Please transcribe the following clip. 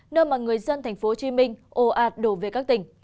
nơi mà người dân tp hcm ồ ạt đổ về các tỉnh